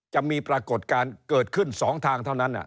ปรากฏการณ์เกิดขึ้น๒ทางเท่านั้น